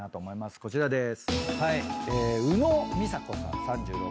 こちらです。